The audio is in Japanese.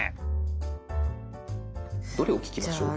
どれを聴きましょう？